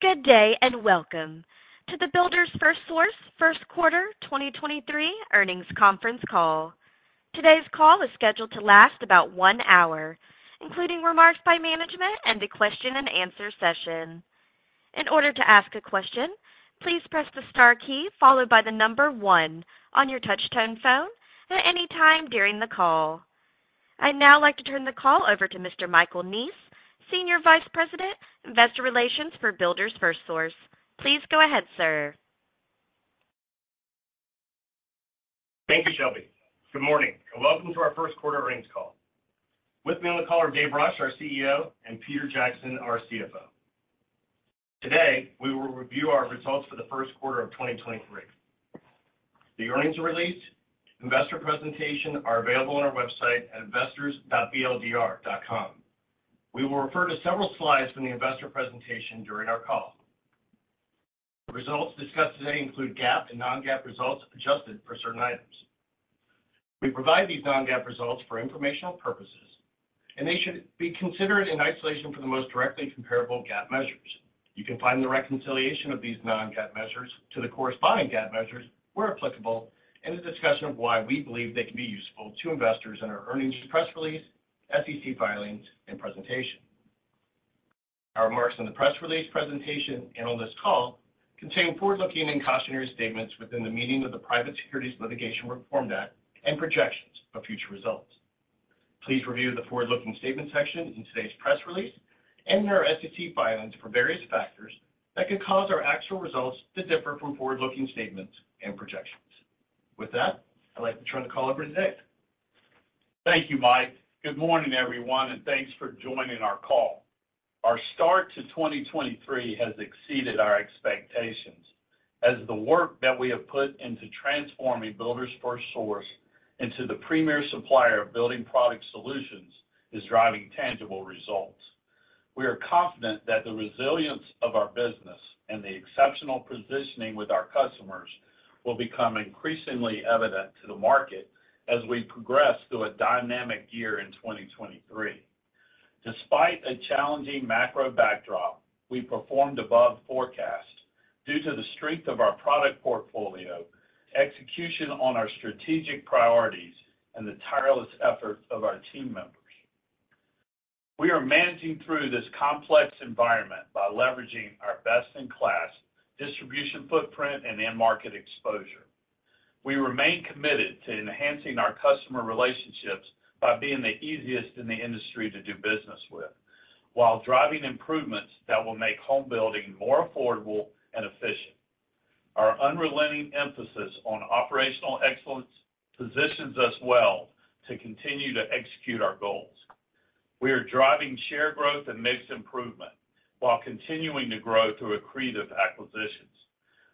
Good day. Welcome to the Builders FirstSource First Quarter 2023 Earnings Conference Call. Today's call is scheduled to last about one hour, including remarks by management and a question and answer session. In order to ask a question, please press the star key followed by the one on your touch-tone phone at any time during the call. I'd now like to turn the call over to Mr. Michael Neese, Senior Vice President, Investor Relations for Builders FirstSource. Please go ahead, sir. Thank you, Shelby. Good morning, welcome to our first quarter earnings call. With me on the call are Dave Rush, our CEO, and Peter Jackson, our CFO. Today, we will review our results for the first quarter of 2023. The earnings release, investor presentation are available on our website at investors.bldr.com. We will refer to several slides from the investor presentation during our call. The results discussed today include GAAP and non-GAAP results adjusted for certain items. We provide these non-GAAP results for informational purposes, and they should be considered in isolation for the most directly comparable GAAP measures. You can find the reconciliation of these non-GAAP measures to the corresponding GAAP measures where applicable in the discussion of why we believe they can be useful to investors in our earnings press release, SEC filings, and presentation. Our remarks in the press release presentation and on this call contain forward-looking and cautionary statements within the meaning of the Private Securities Litigation Reform Act and projections of future results. Please review the forward-looking statement section in today's press release and in our SEC filings for various factors that could cause our actual results to differ from forward-looking statements and projections. With that, I'd like to turn the call over to Dave. Thank you, Mike. Good morning, everyone, thanks for joining our call. Our start to 2023 has exceeded our expectations as the work that we have put into transforming Builders FirstSource into the premier supplier of building product solutions is driving tangible results. We are confident that the resilience of our business and the exceptional positioning with our customers will become increasingly evident to the market as we progress through a dynamic year in 2023. Despite a challenging macro backdrop, we performed above forecast due to the strength of our product portfolio, execution on our strategic priorities, and the tireless efforts of our team members. We are managing through this complex environment by leveraging our best-in-class distribution footprint and end market exposure. We remain committed to enhancing our customer relationships by being the easiest in the industry to do business with while driving improvements that will make home building more affordable and efficient. Our unrelenting emphasis on operational excellence positions us well to continue to execute our goals. We are driving share growth and mix improvement while continuing to grow through accretive acquisitions.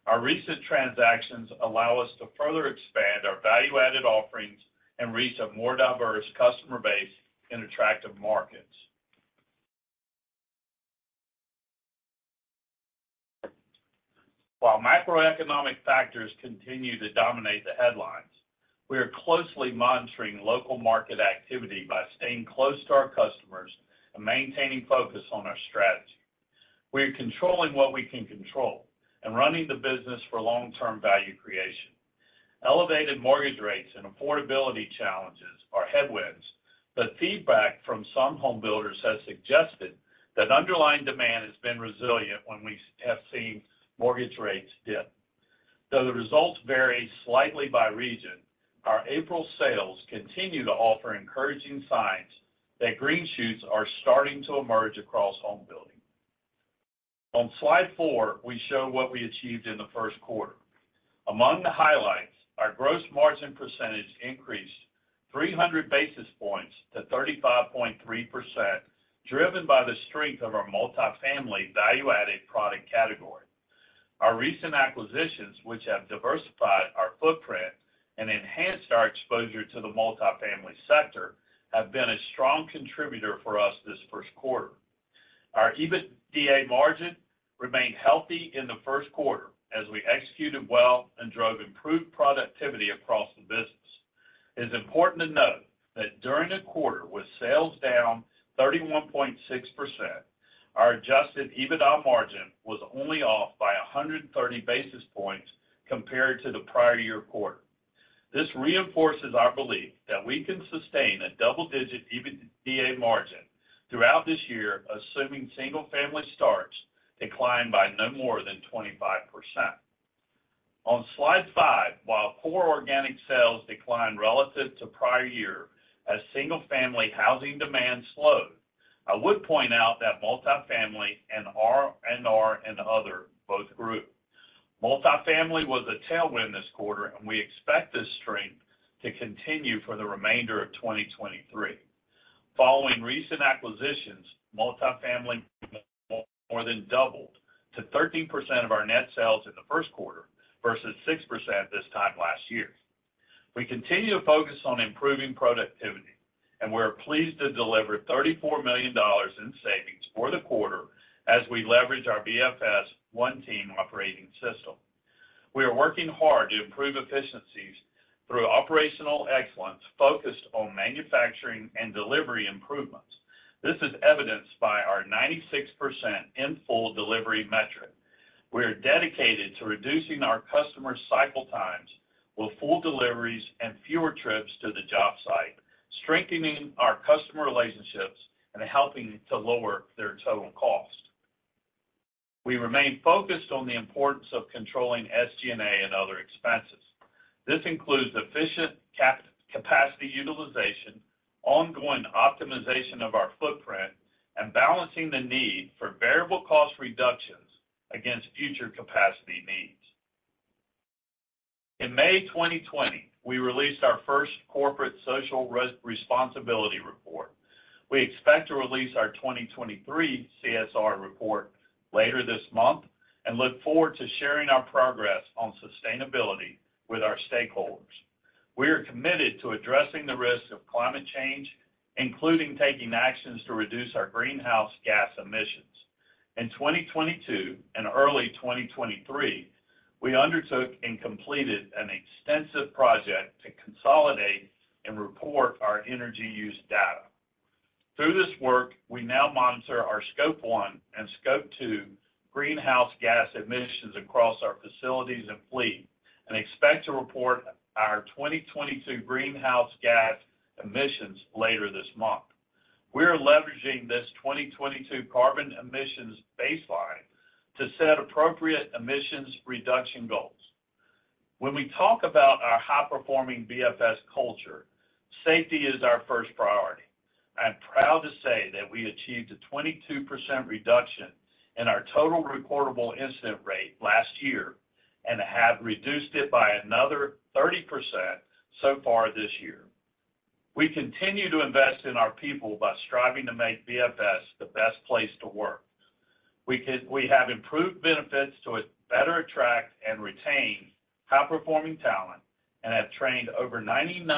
Our recent transactions allow us to further expand our value-added offerings and reach a more diverse customer base in attractive markets. While macroeconomic factors continue to dominate the headlines, we are closely monitoring local market activity by staying close to our customers and maintaining focus on our strategy. We are controlling what we can control and running the business for long-term value creation. Elevated mortgage rates and affordability challenges are headwinds, but feedback from some home builders has suggested that underlying demand has been resilient when we have seen mortgage rates dip. Though the results vary slightly by region, our April sales continue to offer encouraging signs that green shoots are starting to emerge across home building. On slide four, we show what we achieved in the first quarter. Among the highlights, our gross margin percentage increased 300 basis points to 35.3%, driven by the strength of our multifamily value-added product category. Our recent acquisitions, which have diversified our footprint and enhanced our exposure to the multifamily sector, have been a strong contributor for us this first quarter. Our EBITDA margin remained healthy in the first quarter as we executed well and drove improved productivity across the business. It is important to note that during the quarter with sales down 31.6%, our adjusted EBITDA margin was only off by 130 basis points compared to the prior year quarter. This reinforces our belief that we can sustain a double-digit EBITDA margin throughout this year, assuming single-family starts decline by no more than 25%. On slide five, while core organic sales declined relative to prior year as single-family housing demand slowed, I would point out that multifamily and R&R and other both grew. Multifamily was a tailwind this quarter, and we expect this strength to continue for the remainder of 2023. Following recent acquisitions, multifamily more than doubled to 13% of our net sales in the first quarter versus 6% this time last year. We continue to focus on improving productivity, we are pleased to deliver $34 million in savings for the quarter as we leverage our BFS One Team operating system. We are working hard to improve efficiencies through operational excellence focused on manufacturing and delivery improvements. This is evidenced by our 96% in full delivery metric. We are dedicated to reducing our customer cycle times with full deliveries and fewer trips to the job site, strengthening our customer relationships and helping to lower their total cost. We remain focused on the importance of controlling SG&A and other expenses. This includes efficient capacity utilization, ongoing optimization of our footprint, and balancing the need for variable cost reductions against future capacity needs. In May 2020, we released our first corporate social responsibility report. We expect to release our 2023 CSR report later this month and look forward to sharing our progress on sustainability with our stakeholders. We are committed to addressing the risks of climate change, including taking actions to reduce our greenhouse gas emissions. In 2022 and early 2023, we undertook and completed an extensive project to consolidate and report our energy use data. Through this work, we now monitor our Scope one and Scope two greenhouse gas emissions across our facilities and fleet and expect to report our 2022 greenhouse gas emissions later this month. We are leveraging this 2022 carbon emissions baseline to set appropriate emissions reduction goals. When we talk about our high-performing BFS culture, safety is our first priority. I'm proud to say that we achieved a 22% reduction in our Total Recordable Incident Rate last year and have reduced it by another 30% so far this year. We have improved benefits to better attract and retain high-performing talent and have trained over 99%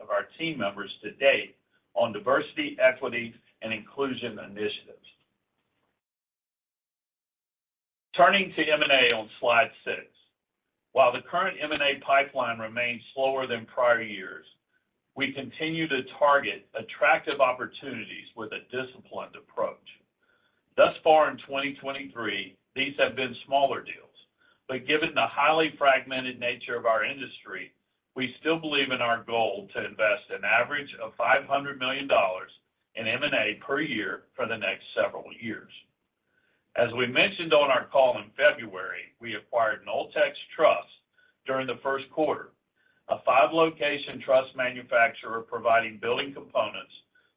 of our team members to date on diversity, equity, and inclusion initiatives. Turning to M&A on slide six. While the current M&A pipeline remains slower than prior years, we continue to target attractive opportunities with a disciplined approach. Thus far in 2023, these have been smaller deals. Given the highly fragmented nature of our industry, we still believe in our goal to invest an average of $500 million in M&A per year for the next several years. As we mentioned on our call in February, we acquired Noltex Truss during the first quarter, a five-location truss manufacturer providing building components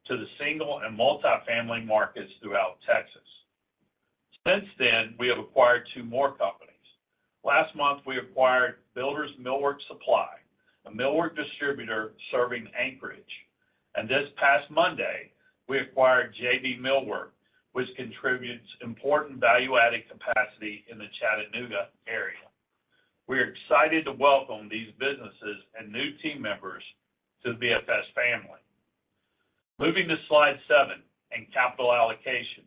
to the single- and multi-family markets throughout Texas. Since then, we have acquired 2 more companies. Last month, we acquired Builders Millwork Supply, a millwork distributor serving Anchorage. This past Monday, we acquired JB Millworks, which contributes important value-added capacity in the Chattanooga area. We're excited to welcome these businesses and new team members to the BFS family. Moving to slide seven in capital allocation.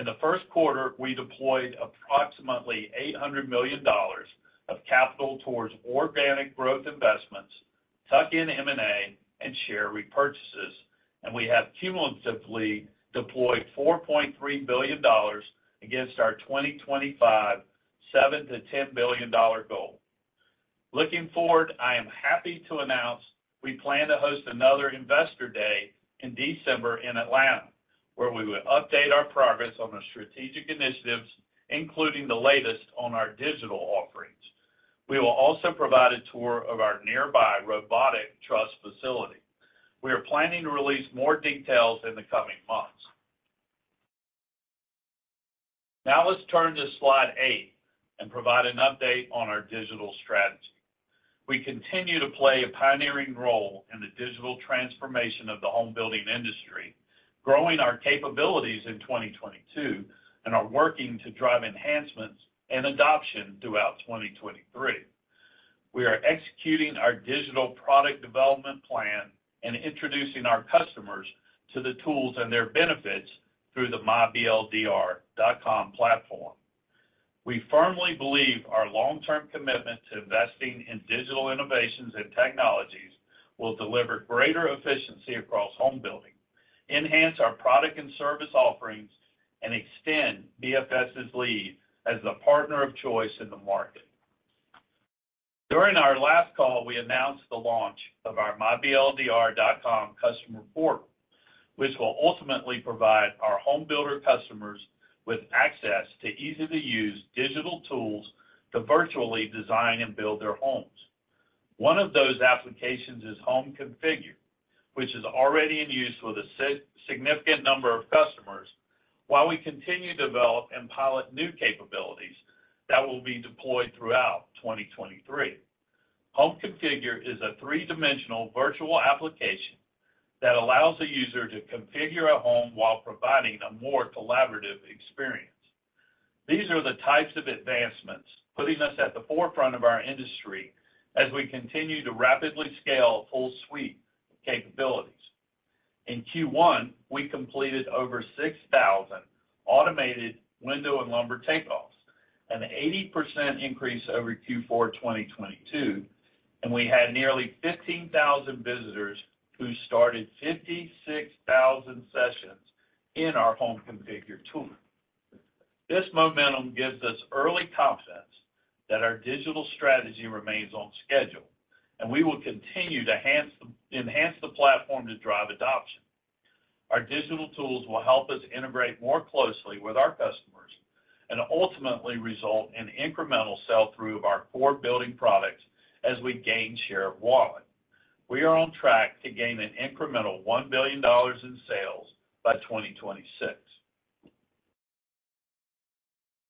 In the first quarter, we deployed approximately $800 million of capital towards organic growth investments, tuck-in M&A, and share repurchases, and we have cumulatively deployed $4.3 billion against our 2025 $7 billion-10 billion goal. Looking forward, I am happy to announce we plan to host another Investor Day in December in Atlanta, where we will update our progress on the strategic initiatives, including the latest on our digital offerings. We will also provide a tour of our nearby robotic truss facility. We are planning to release more details in the coming months. Now let's turn to slide eight and provide an update on our digital strategy. We continue to play a pioneering role in the digital transformation of the home building industry, growing our capabilities in 2022, and are working to drive enhancements and adoption throughout 2023. We are executing our digital product development plan and introducing our customers to the tools and their benefits through the myBLDR.com platform. We firmly believe our long-term commitment to investing in digital innovations and technologies will deliver greater efficiency across home building, enhance our product and service offerings, and extend BFS's lead as the partner of choice in the market. During our last call, we announced the launch of our myBLDR.com customer portal, which will ultimately provide our home builder customers with access to easily use digital tools to virtually design and build their homes. One of those applications is Home Configure, which is already in use with a significant number of customers while we continue to develop and pilot new capabilities that will be deployed throughout 2023. Home Configure is a three-dimensional virtual application that allows a user to configure a home while providing a more collaborative experience. These are the types of advancements putting us at the forefront of our industry as we continue to rapidly scale full suite capabilities. In Q1, we completed over 6,000 automated window and lumber takeoffs, an 80% increase over Q4 2022, and we had nearly 15,000 visitors who started 56,000 sessions in our Home Configurator. This momentum gives us early confidence that our digital strategy remains on schedule, and we will continue to enhance the platform to drive adoption. Our digital tools will help us integrate more closely with our customers and ultimately result in incremental sell-through of our core building products as we gain share of wallet. We are on track to gain an incremental $1 billion in sales by 2026.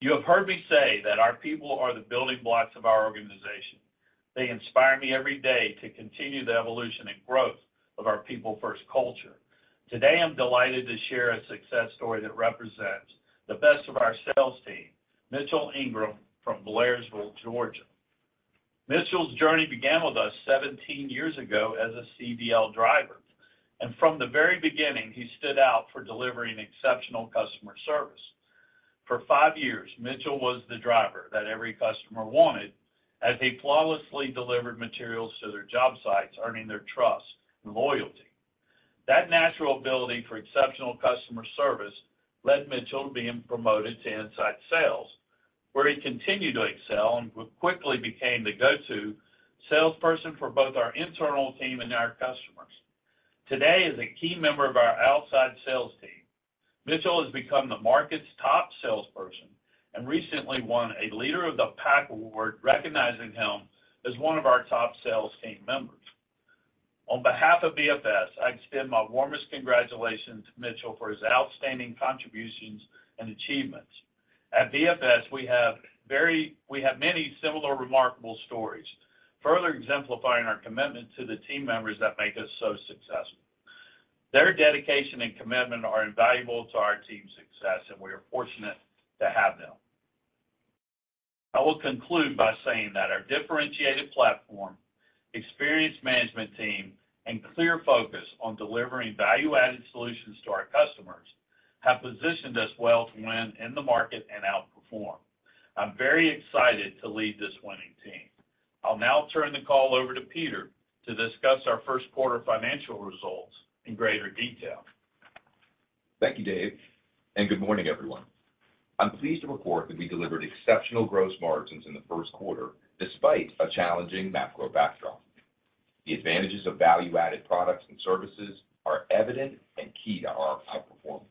You have heard me say that our people are the building blocks of our organization. They inspire me every day to continue the evolution and growth of our people-first culture. Today, I'm delighted to share a success story that represents the best of our sales team, Mitchell Ingram from Blairsville, Georgia. Mitchell's journey began with us 17 years ago as a CDL driver, and from the very beginning, he stood out for delivering exceptional customer service. For five years, Mitchell was the driver that every customer wanted as he flawlessly delivered materials to their job sites, earning their trust and loyalty. That natural ability for exceptional customer service led Mitchell to being promoted to inside sales, where he continued to excel and quickly became the go-to salesperson for both our internal team and our customers. Today, as a key member of our outside sales team, Mitchell has become the market's top salesperson and recently won a Leader of the Pack award recognizing him as one of our top sales team members. On behalf of BFS, I extend my warmest congratulations to Mitchell for his outstanding contributions and achievements. At BFS, we have many similar remarkable stories, further exemplifying our commitment to the team members that make us so successful. Their dedication and commitment are invaluable to our team's success, and we are fortunate to have them. I will conclude by saying that our differentiated platform, experienced management team, and clear focus on delivering value-added solutions to our customers have positioned us well to win in the market and outperform. I'm very excited to lead this winning team. I'll now turn the call over to Peter to discuss our first quarter financial results in greater detail. Thank you, Dave. Good morning, everyone. I'm pleased to report that we delivered exceptional gross margins in the first quarter despite a challenging macro backdrop. The advantages of value-added products and services are evident and key to our outperformance.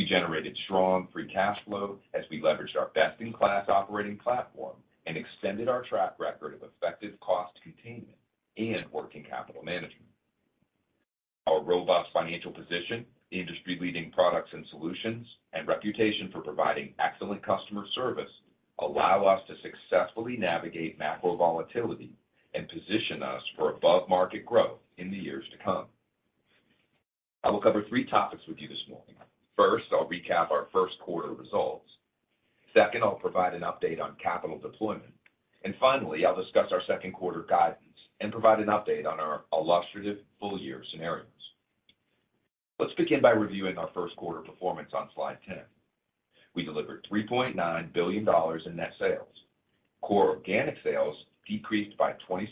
We generated strong free cash flow as we leveraged our best-in-class operating platform and extended our track record of effective cost containment and working capital management. Our robust financial position, industry-leading products and solutions, and reputation for providing excellent customer service allow us to successfully navigate macro volatility and position us for above-market growth in the years to come. I will cover three topics with you this morning. First, I'll recap our first quarter results. Second, I'll provide an update on capital deployment. Finally, I'll discuss our second quarter guidance and provide an update on our illustrative full-year scenarios. Let's begin by reviewing our first quarter performance on slide 10. We delivered $3.9 billion in net sales. Core organic sales decreased by 26%,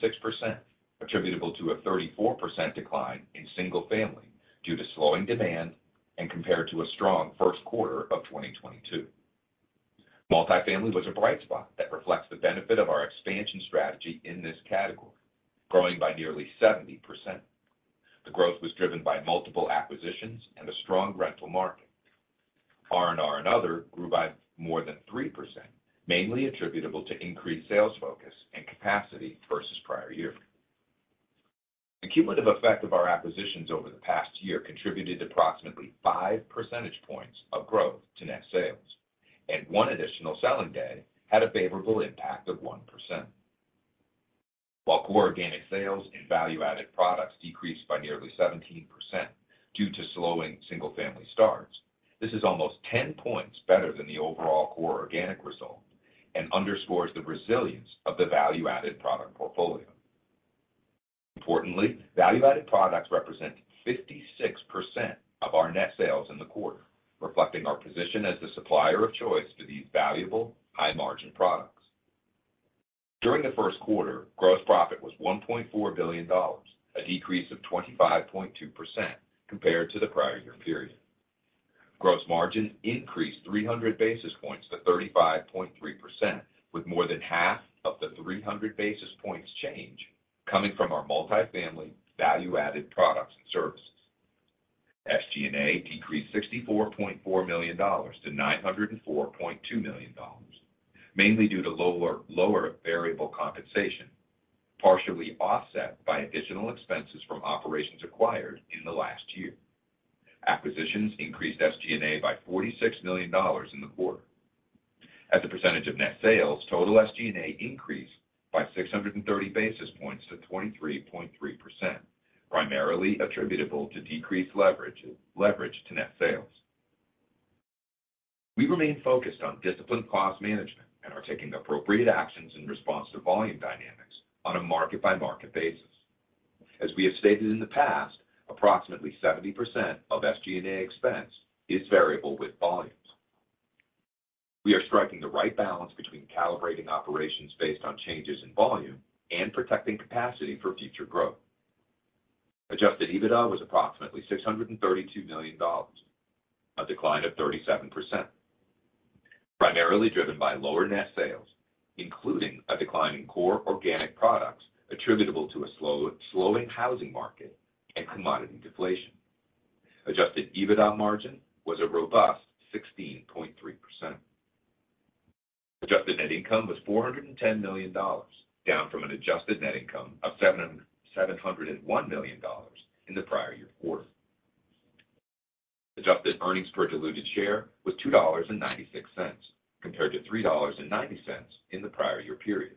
attributable to a 34% decline in single-family due to slowing demand and compared to a strong first quarter of 2022. Multifamily was a bright spot that reflects the benefit of our expansion strategy in this category, growing by nearly 70%. The growth was driven by multiple acquisitions and a strong rental market. R&R and other grew by more than 3%, mainly attributable to increased sales focus and capacity versus prior year. The cumulative effect of our acquisitions over the past year contributed approximately 5 percentage points of growth to net sales. One additional selling day had a favorable impact of 1%. While core organic sales and value-added products decreased by nearly 17% due to slowing single-family starts, this is almost 10 points better than the overall core organic result and underscores the resilience of the value-added product portfolio. Importantly, value-added products represent 56% of our net sales in the quarter, reflecting our position as the supplier of choice for these valuable, high-margin products. During the first quarter, gross profit was $1.4 billion, a decrease of 25.2% compared to the prior year period. Gross margin increased 300 basis points to 35.3%, with more than half of the 300 basis points change coming from our multifamily value-added products and services. SG&A decreased $64.4 million to 904.2 million, mainly due to lower variable compensation, partially offset by additional expenses from operations acquired in the last year. Acquisitions increased SG&A by $46 million in the quarter. As a percentage of net sales, total SG&A increased by 630 basis points to 23.3%, primarily attributable to decreased leverage to net sales. We remain focused on disciplined cost management and are taking appropriate actions in response to volume dynamics on a market by market basis. As we have stated in the past, approximately 70% of SG&A expense is variable with volumes. We are striking the right balance between calibrating operations based on changes in volume and protecting capacity for future growth. Adjusted EBITDA was approximately $632 million, a decline of 37%. Primarily driven by lower net sales, including a decline in core organic products attributable to a slowing housing market and commodity deflation. Adjusted EBITDA margin was a robust 16.3%. Adjusted net income was $410 million, down from an adjusted net income of $701 million in the prior year quarter. Adjusted earnings per diluted share was $2.96 compared to $3.90 in the prior year period.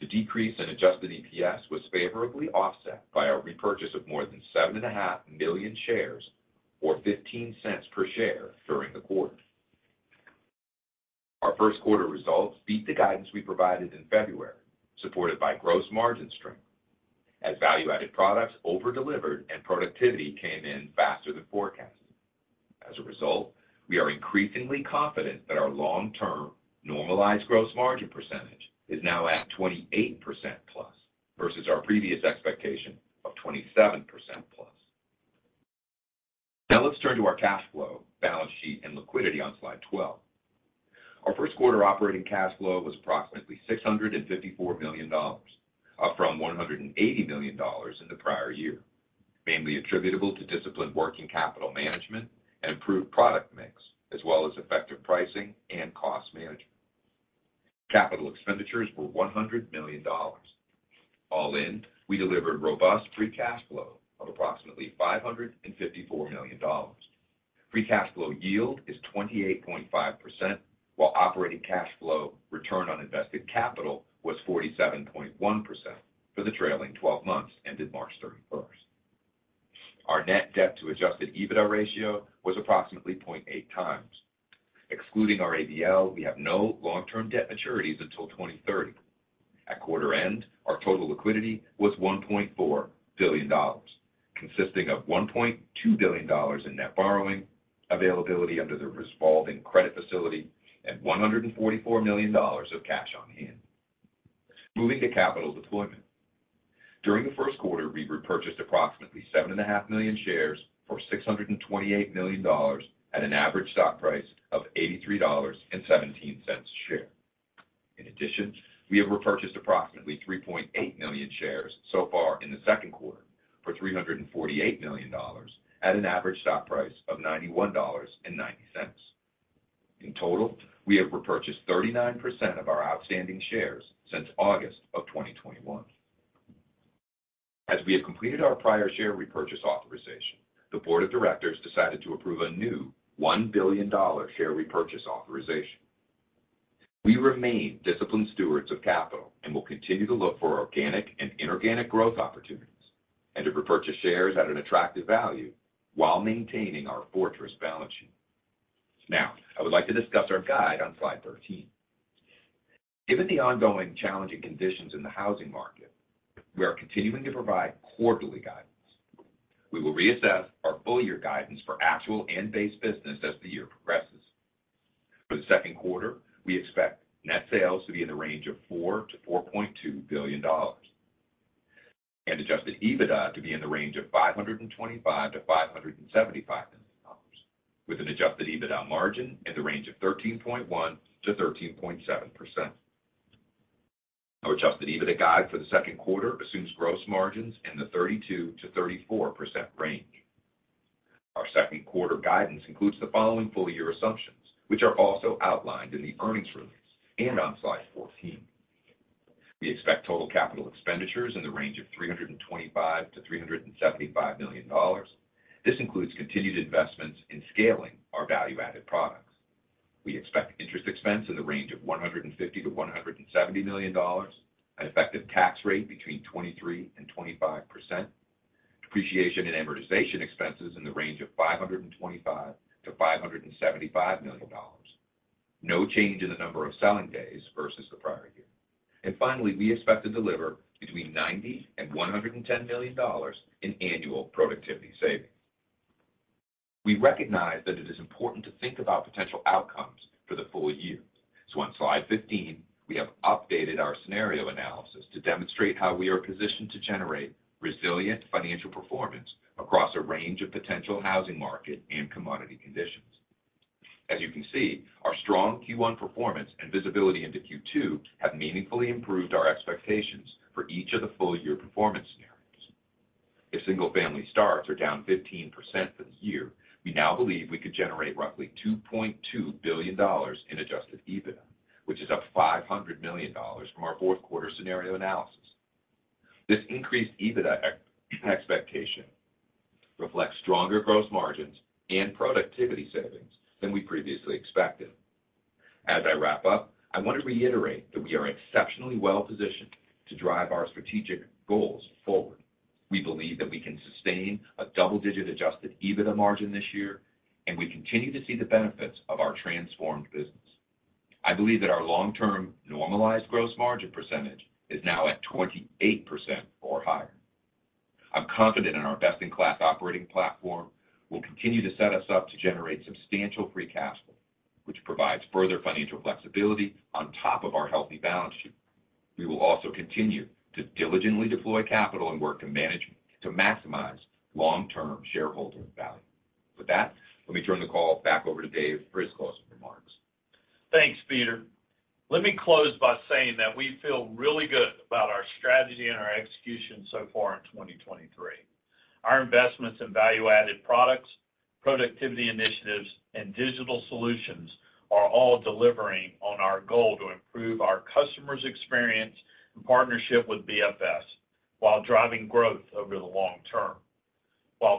The decrease in adjusted EPS was favorably offset by our repurchase of more than 7.5 million shares, or $0.15 per share during the quarter. Our first quarter results beat the guidance we provided in February, supported by gross margin strength. Value-added products over-delivered and productivity came in faster than forecasted. As a result, we are increasingly confident that our long-term normalized gross margin percentage is now at 28% plus versus our previous expectation of 27% plus. Let's turn to our cash flow, balance sheet and liquidity on slide 12. Our first quarter operating cash flow was approximately $654 million, up from 180 million in the prior year, mainly attributable to disciplined working capital management and improved product mix, as well as effective pricing and cost management. Capital expenditures were $100 million. All in, we delivered robust free cash flow of approximately $554 million. Free cash flow yield is 28.5%, while operating cash flow return on invested capital was 47.1% for the trailing 12 months ended March 31st. Our net debt to adjusted EBITDA ratio was approximately 0.8 times. Excluding our ABL, we have no long-term debt maturities until 2030. At quarter end, our total liquidity was $1.4 billion, consisting of $1.2 billion in net borrowing availability under the revolving credit facility and $144 million of cash on hand. Moving to capital deployment. During the first quarter, we repurchased approximately 7.5 million shares for $628 million at an average stock price of $83.17 a share. In addition, we have repurchased approximately 3.8 million shares so far in the second quarter for $348 million at an average stock price of $91.90. In total, we have repurchased 39% of our outstanding shares since August of 2021. We have completed our prior share repurchase authorization, the board of directors decided to approve a new $1 billion share repurchase authorization. We remain disciplined stewards of capital and will continue to look for organic and inorganic growth opportunities and to repurchase shares at an attractive value while maintaining our fortress balance sheet. I would like to discuss our guide on slide 13. Given the ongoing challenging conditions in the housing market, we are continuing to provide quarterly guidance. We will reassess our full year guidance for actual and base business as the year progresses. For the second quarter, we expect net sales to be in the range of $4 billion-4.2 billion and adjusted EBITDA to be in the range of $525 million-575 million, with an adjusted EBITDA margin in the range of 13.1%-13.7%. Our adjusted EBITDA guide for the second quarter assumes gross margins in the 32%-34% range. Our second quarter guidance includes the following full year assumptions, which are also outlined in the earnings release and on slide 14. We expect total capital expenditures in the range of $325 million-375 million. This includes continued investments in scaling our value-added products. We expect interest expense in the range of $150 million-170 million. An effective tax rate between 23% and 25%. Depreciation and amortization expenses in the range of $525 million-575 million. No change in the number of selling days versus the prior year. Finally, we expect to deliver between $90 million and 110 million in annual productivity savings. We recognize that it is important to think about potential outcomes for the full year. On slide 15, we have updated our scenario analysis to demonstrate how we are positioned to generate resilient financial performance across a range of potential housing market and commodity conditions. As you can see, our strong Q1 performance and visibility into Q2 have meaningfully improved our expectations for each of the full year performance scenarios. If single-family starts are down 15% for the year, we now believe we could generate roughly $2.2 billion in adjusted EBITDA, which is up $500 million from our fourth quarter scenario analysis. This increased EBITDA ex-expectation reflects stronger gross margins and productivity savings than we previously expected. As I wrap up, I want to reiterate that we are exceptionally well-positioned to drive our strategic goals forward. We believe that we can sustain a double-digit adjusted EBITDA margin this year, and we continue to see the benefits of our transformed business. I believe that our long-term normalized gross margin percentage is now at 28% or higher. I'm confident in our best-in-class operating platform will continue to set us up to generate substantial free cash flow, which provides further financial flexibility on top of our healthy balance sheet. We will also continue to diligently deploy capital and work to maximize long-term shareholder value. With that, let me turn the call back over to Dave for his closing remarks. Thanks, Peter. Let me close by saying that we feel really good about our strategy and our execution so far in 2023. Our investments in value-added products, productivity initiatives, and digital solutions are all delivering on our goal to improve our customers' experience and partnership with BFS while driving growth over the long term.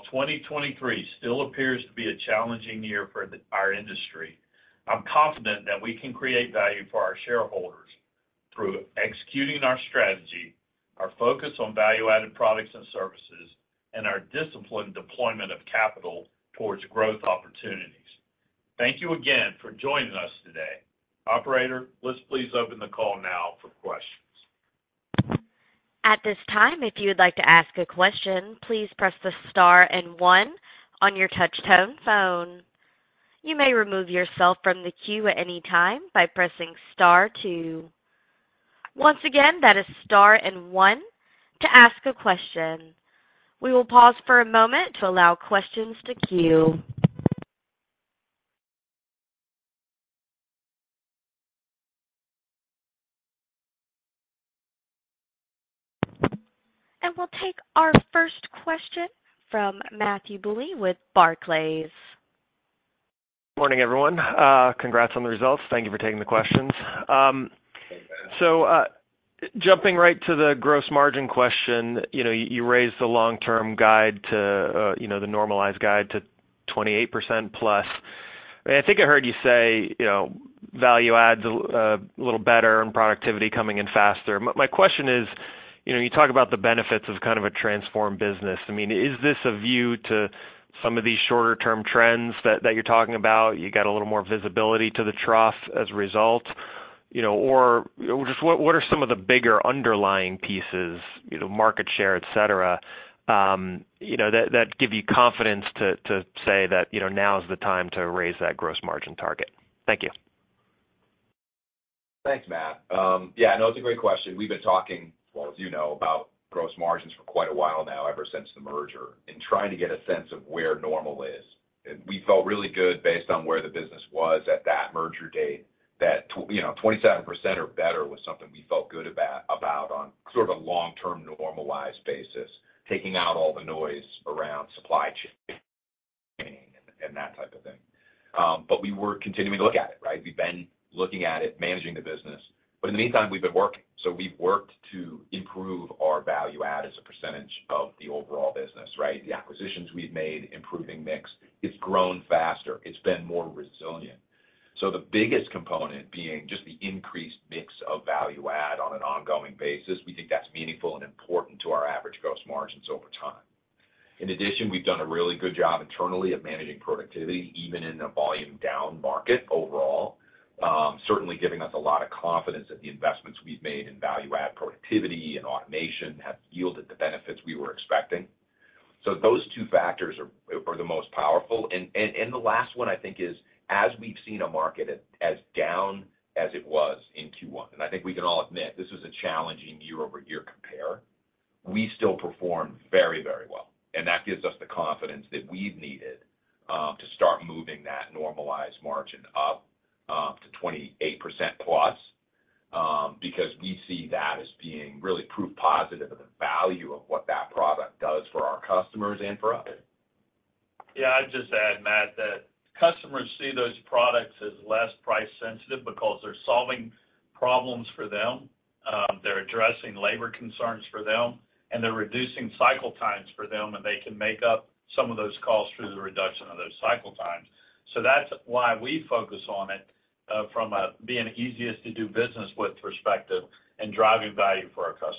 2023 still appears to be a challenging year for our industry, I'm confident that we can create value for our shareholders through executing our strategy, our focus on value-added products and services, and our disciplined deployment of capital towards growth opportunities. Thank you again for joining us today. Operator, let's please open the call now for questions. At this time, if you would like to ask a question, please press the star and one on your touch tone phone. You may remove yourself from the queue at any time by pressing star two. Once again, that is star and one to ask a question. We will pause for a moment to allow questions to queue. We'll take our first question from Matthew Bouley with Barclays. Morning, everyone. Congrats on the results. Thank you for taking the questions. Jumping right to the gross margin question, you know, you raised the long-term guide to, you know, the normalized guide to 28% plus. I think I heard you say, you know, value adds a little better and productivity coming in faster. My question is, you know, you talk about the benefits of kind of a transformed business. I mean, is this a view to some of these shorter-term trends that you're talking about? You get a little more visibility to the trough as a result, you know. Or just what are some of the bigger underlying pieces, you know, market share, et cetera, you know, that give you confidence to say that, you know, now is the time to raise that gross margin target? Thank you. Thanks, Matt. Yeah, no, it's a great question. We've been talking, well, as you know, about gross margins for quite a while now ever since the merger and trying to get a sense of where normal is. We felt really good based on where the business was at that merger date, that, you know, 27% or better was something we felt good about on sort of a long-term normalized basis, taking out all the noise around supply chain and that type of thing. We were continuing to look at it, right? We've been looking at it, managing the business. In the meantime, we've been working. We've worked to improve our value add as a percentage of the overall business, right? The acquisitions we've made, improving mix, it's grown faster, it's been more resilient. The biggest component being just the increased mix of value add on an ongoing basis, we think that's meaningful and important to our average gross margins over time. In addition, we've done a really good job internally of managing productivity, even in a volume down market overall, certainly giving us a lot of confidence that the investments we've made in value add productivity and automation have yielded the benefits we were expecting. Those two factors are the most powerful. The last one I think is, as we've seen a market as down as it was in Q1, and I think we can all admit this was a challenging year-over-year compare, we still performed very, very well, and that gives us the confidence that we've needed to start moving that normalized margin up to 28%+ because we see that as being really proof positive of the value of what that product does for our customers and for us. Yeah. I'd just add, Matt, that customers see those products as less price sensitive because they're solving problems for them, they're addressing labor concerns for them, and they're reducing cycle times for them, and they can make up some of those costs through the reduction of those cycle times. That's why we focus on it, from a being easiest to do business with perspective and driving value for our customers.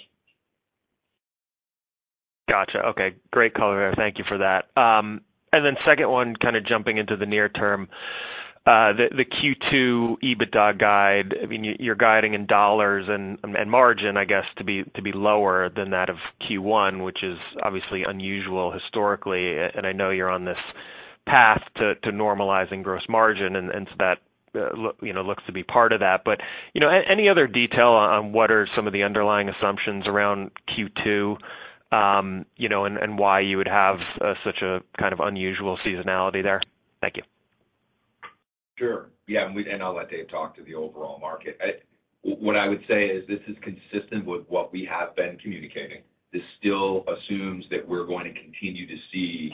Gotcha. Okay. Great color there. Thank you for that. Second one, kind of jumping into the near term. The Q2 EBITDA guide, I mean, you're guiding in dollars and margin, I guess, to be lower than that of Q1, which is obviously unusual historically. I know you're on this path to normalizing gross margin and so that, you know, looks to be part of that. You know, any other detail on what are some of the underlying assumptions around Q2, you know, and why you would have such a kind of unusual seasonality there? Thank you. Sure. Yeah. I'll let Dave talk to the overall market. What I would say is this is consistent with what we have been communicating. This still assumes that we're going to continue to see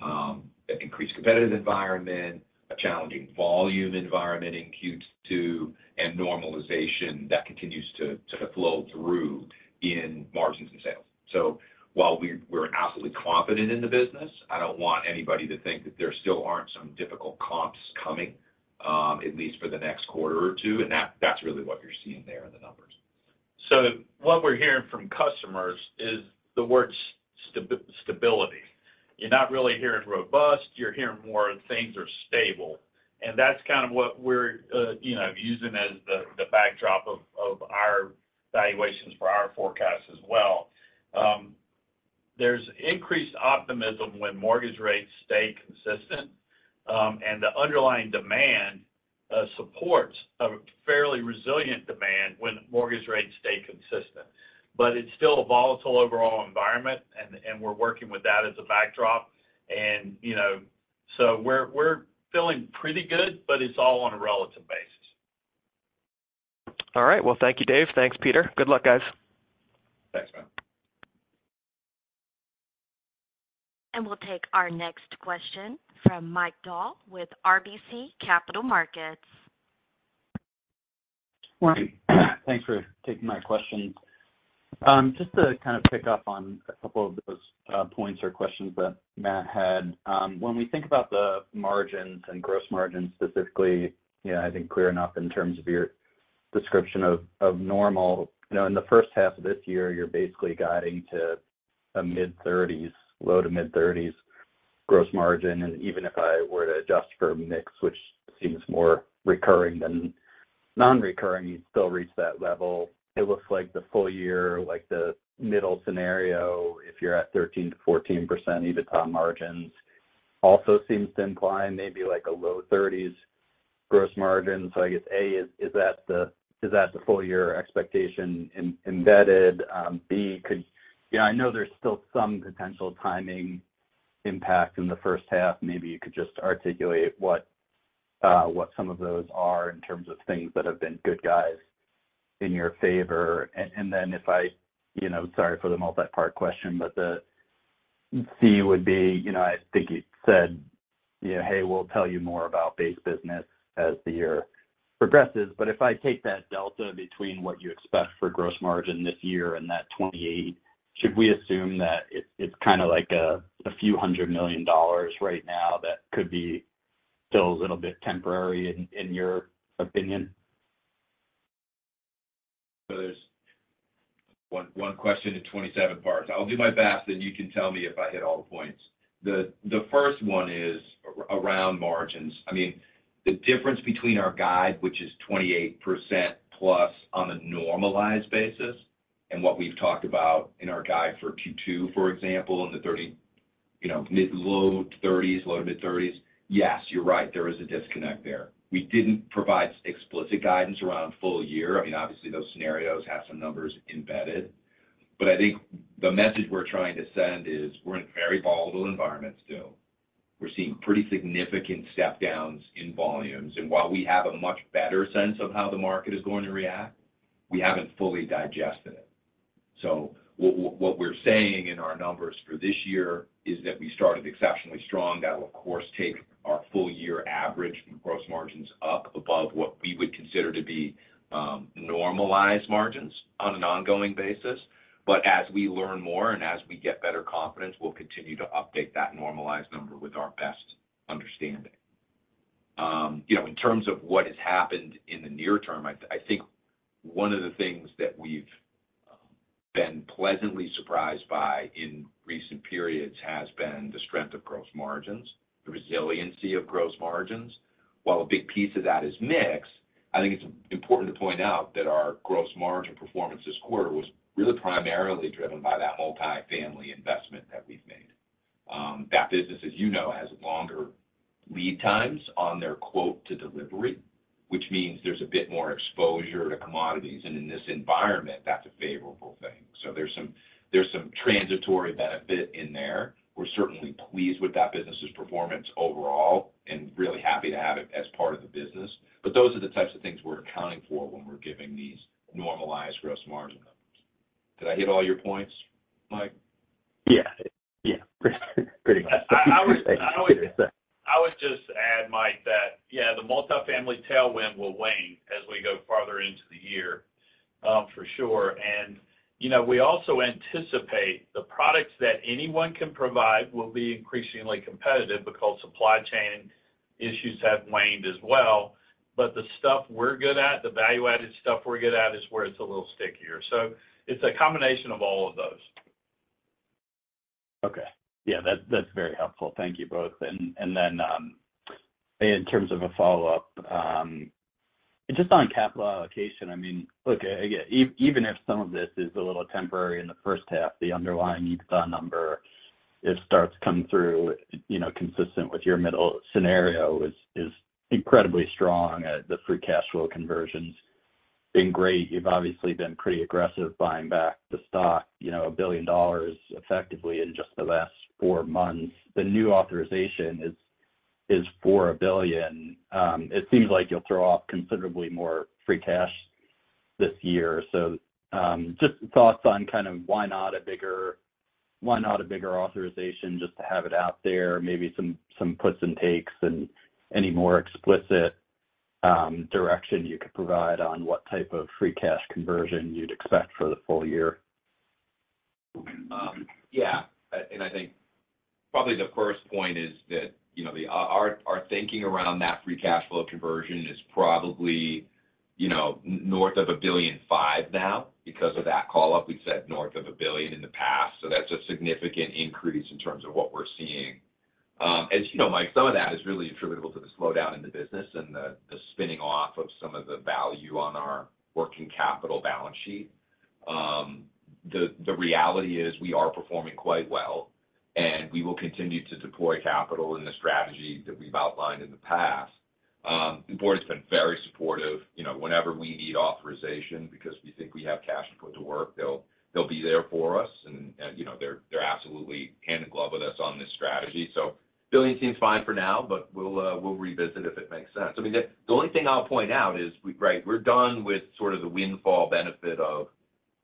an increased competitive environment, a challenging volume environment in Q2, and normalization that continues to flow through in margins and sales. While we're absolutely confident in the business, I don't want anybody to think that there still aren't some difficult comps coming, at least for the next quarter or two, and that's really what you're seeing there in the numbers. What we're hearing from customers is the word stability. You're not really hearing robust, you're hearing more things are stable. That's kind of what we're, you know, using as the backdrop of our valuations for our forecast as well. There's increased optimism when mortgage rates stay consistent, and the underlying demand supports a fairly resilient demand when mortgage rates stay consistent. It's still a volatile overall environment and we're working with that as a backdrop. You know, we're feeling pretty good, but it's all on a relative basis. All right. Well, thank you, Dave. Thanks, Peter. Good luck, guys. Thanks, Matt. We'll take our next question from Mike Dahl with RBC Capital Markets. Morning. Thanks for taking my question. Just to kind of pick up on a couple of those points or questions that Matt had. When we think about the margins and gross margins specifically, you know, I think clear enough in terms of your description of normal. You know, in the first half of this year, you're basically guiding to a mid-30s, low-to-mid 30s gross margin. Even if I were to adjust for mix, which seems more recurring than non-recurring, you still reach that level. It looks like the full year, like the middle scenario, if you're at 13%-14% EBITDA margins also seems to imply maybe like a low 30s gross margin. I guess, A, is that the full year expectation embedded? B, could, you know, I know there's still some potential timing impact in the first half. Maybe you could just articulate what some of those are in terms of things that have been good guys in your favor. If I, you know, sorry for the multi-part question, but the C would be, you know, I think you said, you know, "Hey, we'll tell you more about base business as the year progresses." If I take that delta between what you expect for gross margin this year and that 28, should we assume that it's kinda like a few hundred million dollars right now that could be still a little bit temporary in your opinion? There's one question in 27 parts. I'll do my best, then you can tell me if I hit all the points. The first one is around margins. I mean, the difference between our guide, which is 28% plus on a normalized basis, and what we've talked about in our guide for Q2, for example, in the low to mid-30s, yes, you're right, there is a disconnect there. We didn't provide explicit guidance around full year. I mean, obviously those scenarios have some numbers embedded. I think the message we're trying to send is we're in a very volatile environment still. We're seeing pretty significant step downs in volumes. While we have a much better sense of how the market is going to react, we haven't fully digested it. What we're saying in our numbers for this year is that we started exceptionally strong. That will, of course, take our full year average gross margins up above what we would consider to be normalized margins on an ongoing basis. As we learn more and as we get better confidence, we'll continue to update that normalized number with our best understanding. You know, in terms of what has happened in the near term, I think one of the things that we've been pleasantly surprised by in recent periods has been the strength of gross margins, the resiliency of gross margins. While a big piece of that is mix, I think it's important to point out that our gross margin performance this quarter was really primarily driven by that multifamily investment that we've made. That business, as you know, has longer lead times on their quote to delivery, which means there's a bit more exposure to commodities. In this environment, that's a favorable thing. There's some transitory benefit in there. We're certainly pleased with that business's performance overall and really happy to have it as part of the business. Those are the types of things we're accounting for when we're giving these normalized gross margin numbers. Did I hit all your points, Mike? Yeah. Yeah. Pretty much. I would just add, Mike, that, yeah, the multifamily tailwind will wane as we go farther into the year, for sure. You know, we also anticipate the products that anyone can provide will be increasingly competitive because supply chain issues have waned as well. The stuff we're good at, the value-added stuff we're good at is where it's a little stickier. It's a combination of all of those. Okay. Yeah, that's very helpful. Thank you both. Then, in terms of a follow-up, just on capital allocation, I mean, look, again, even if some of this is a little temporary in the first half, the underlying EBITDA number, it starts coming through, you know, consistent with your middle scenario is incredibly strong. The free cash flow conversion's been great. You've obviously been pretty aggressive buying back the stock, you know, $1 billion effectively in just the last four months. The new authorization is for $1 billion. It seems like you'll throw off considerably more free cash this year. Just thoughts on kind of why not a bigger authorization just to have it out there, maybe some puts and takes and any more explicit direction you could provide on what type of free cash conversion you'd expect for the full year? Yeah. I think probably the first point is that, you know, our thinking around that free cash flow conversion is probably, you know, north of $1.5 billion now because of that call up, we said north of $1 billion in the past. That's a significant increase in terms of what we're seeing. As you know, Mike, some of that is really attributable to the slowdown in the business and the spinning off of some of the value on our working capital balance sheet. The reality is we are performing quite well, and we will continue to deploy capital in the strategy that we've outlined in the past. The board has been very supportive, you know, whenever we need authorization because we think we have cash to put to work, they'll be there for us. You know, they're absolutely hand in glove with us on this strategy. $1 billion seems fine for now, but we'll revisit if it makes sense. I mean, the only thing I'll point out is we're done with sort of the windfall benefit of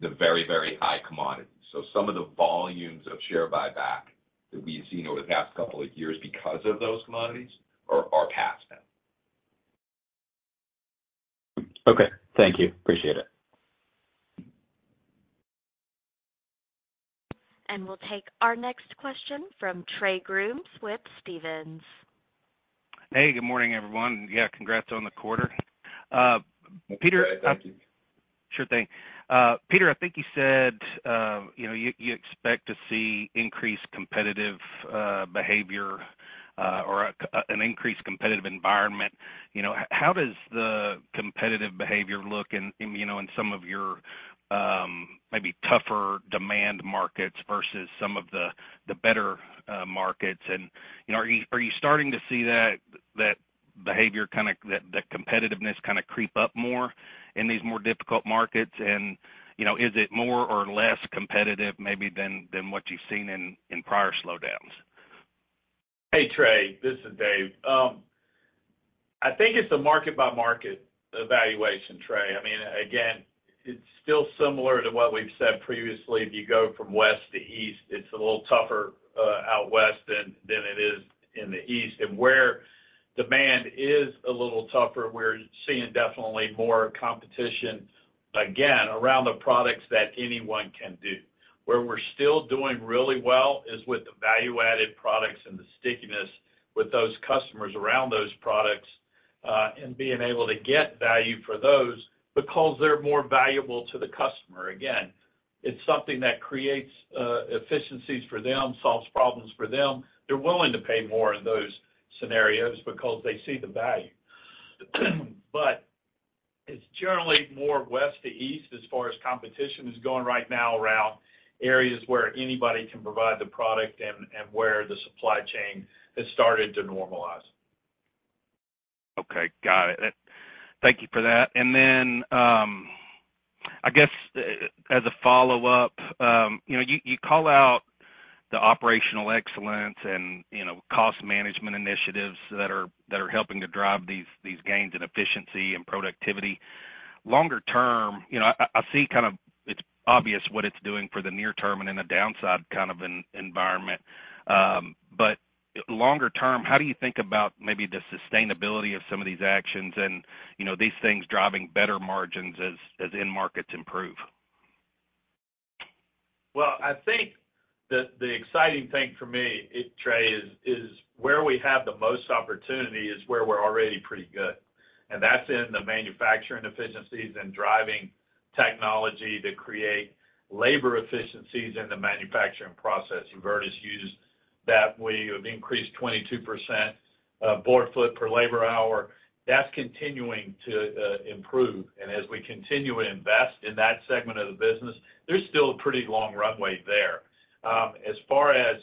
the very high commodity. Some of the volumes of share buyback that we've seen over the past couple of years because of those commodities are past now. Okay. Thank you. Appreciate it. We'll take our next question from Trey Grooms with Stephens. Hey, good morning, everyone. Yeah, congrats on the quarter. Peter. Thank you. Sure thing. Peter, I think you said, you know, you expect to see increased competitive behavior, or an increased competitive environment. You know, how does the competitive behavior look in, you know, in some of your maybe tougher demand markets versus some of the better markets? You know, are you starting to see that behavior that competitiveness kind of creep up more in these more difficult markets? You know, is it more or less competitive maybe than what you've seen in prior slowdowns? Hey, Trey, this is Dave. I think it's a market by market evaluation, Trey. I mean, again, it's still similar to what we've said previously. If you go from west to east, it's a little tougher out west than it is in the east. Where demand is a little tougher, we're seeing definitely more competition, again, around the products that anyone can do. Where we're still doing really well is with the value-added products and the stickiness with those customers around those products, and being able to get value for those because they're more valuable to the customer. Again, it's something that creates efficiencies for them, solves problems for them. They're willing to pay more in those scenarios because they see the value. It's generally more west to east as far as competition is going right now around areas where anybody can provide the product and where the supply chain has started to normalize. Okay, got it. Thank you for that. I guess as a follow-up, you know, you call out the operational excellence and, you know, cost management initiatives that are helping to drive these gains in efficiency and productivity. Longer term, you know, I see kind of it's obvious what it's doing for the near term and in a downside kind of environment. Longer term, how do you think about maybe the sustainability of some of these actions and, you know, these things driving better margins as end markets improve? Well, I think the exciting thing for me, Trey, is where we have the most opportunity is where we're already pretty good. That's in the manufacturing efficiencies and driving technology to create labor efficiencies in the manufacturing process. You've heard uses that. We have increased 22%, board foot per labor hour. That's continuing to improve. As we continue to invest in that segment of the business, there's still a pretty long runway there. As far as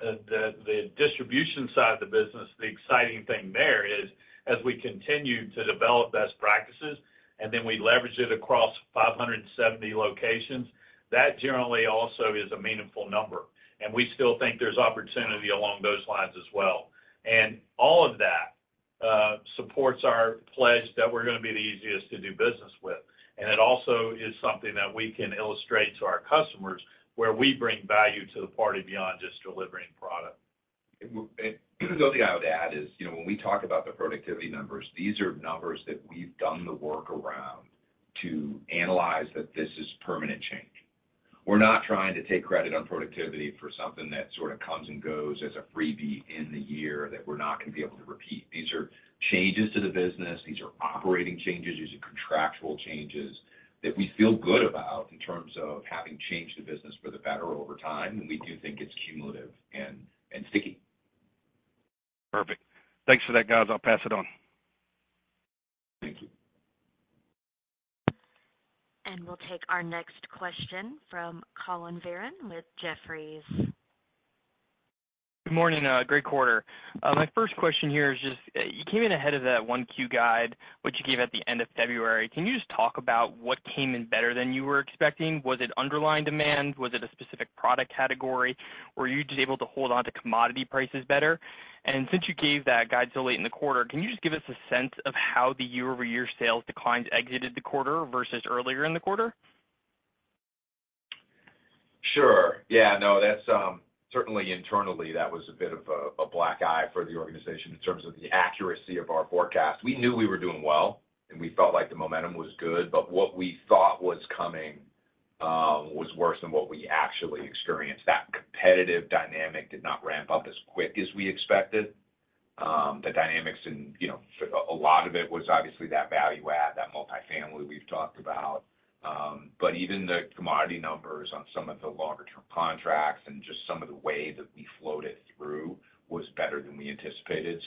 the distribution side of the business, the exciting thing there is as we continue to develop best practices, and then we leverage it across 570 locations, that generally also is a meaningful number. We still think there's opportunity along those lines as well. All of that supports our pledge that we're going to be the easiest to do business with. It also is something that we can illustrate to our customers where we bring value to the party beyond just delivering product. The only thing I would add is, you know, when we talk about the productivity numbers, these are numbers that we've done the work around to analyze that this is permanent change. We're not trying to take credit on productivity for something that sort of comes and goes as a freebie in the year that we're not going to be able to repeat. These are changes to the business, these are operating changes, these are contractual changes that we feel good about in terms of having changed the business for the better over time. We do think it's cumulative and sticky. Perfect. Thanks for that, guys. I'll pass it on. Thank you. We'll take our next question from Collin Verron with Jefferies. Good morning. great quarter. my first question here is just, you came in ahead of that 1Q guide, which you gave at the end of February. Can you just talk about what came in better than you were expecting? Was it underlying demand? Was it a specific product category? Were you just able to hold onto commodity prices better? Since you gave that guide so late in the quarter, can you just give us a sense of how the year-over-year sales declines exited the quarter versus earlier in the quarter? No, that's certainly internally, that was a bit of a black eye for the organization in terms of the accuracy of our forecast. We knew we were doing well, and we felt like the momentum was good, but what we thought was coming was worse than what we actually experienced. That competitive dynamic did not ramp up as quick as we expected. The dynamics and, you know, a lot of it was obviously that value add, that multifamily we've talked about. Even the commodity numbers on some of the longer-term contracts and just some of the ways that we floated through was better than we anticipated.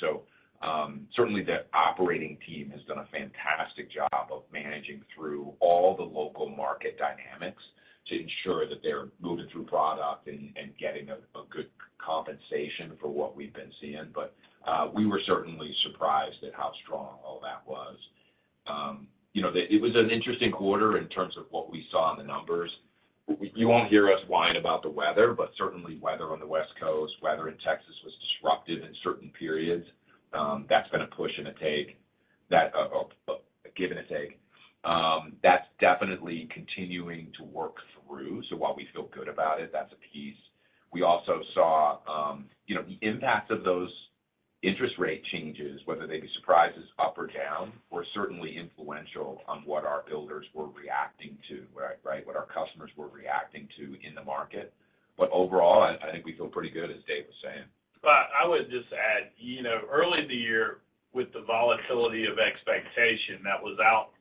Certainly the operating team has done a fantastic job of managing through all the local market dynamics to ensure that they're moving through product and getting a good compensation for what we've been seeing. We were certainly surprised at how strong all that was. You know, it was an interesting quarter in terms of what we saw in the numbers. You won't hear us whine about the weather, but certainly weather on the West Coast, weather in Texas was disruptive in certain periods. That's been a push and a take. That, a give and a take. That's definitely continuing to work through. While we feel good about it, that's a piece. We also saw, you know, the impact of those interest rate changes, whether they be surprises up or down, were certainly influential on what our builders were reacting to, right? What our customers were reacting to in the market. Overall, I think we feel pretty good, as Dave was saying. I would just add, you know, early in the year with the volatility of expectation that was out,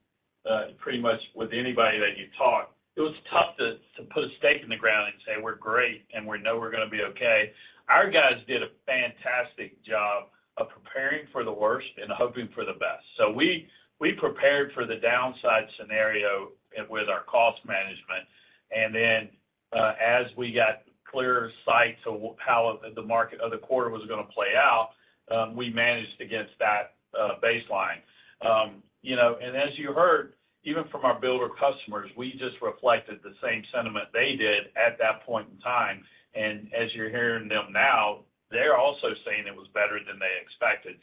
pretty much with anybody that you talked, it was tough to put a stake in the ground and say, "We're great, and we know we're gonna be okay." Our guys did a fantastic job of preparing for the worst and hoping for the best. We prepared for the downside scenario with our cost management. Then, as we got clearer sight to how the market of the quarter was gonna play out, we managed against that baseline. You know, as you heard, even from our builder customers, we just reflected the same sentiment they did at that point in time. As you're hearing them now, they're also saying it was better than they expected.